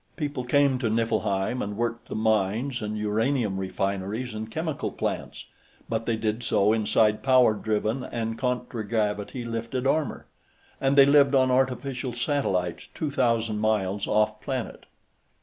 People came to Niflheim, and worked the mines and uranium refineries and chemical plants, but they did so inside power driven and contragravity lifted armor, and they lived on artificial satellites two thousand miles off planet.